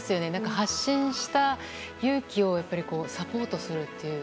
発信した勇気をサポートするという。